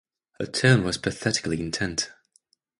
Her tone was pathetically intent.